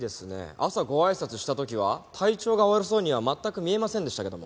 朝ごあいさつした時は体調が悪そうには全く見えませんでしたけども。